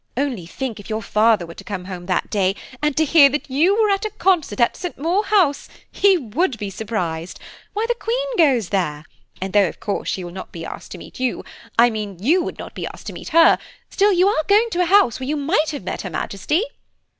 "Only think if your father were to come home that day, and to hear that you were at a concert at St. Maur House–he would be surprised! Why, the Queen goes there, and though of course she will not be asked to meet you–I mean you would not be asked to meet her–still you are going to a house where you might have met Her Majesty."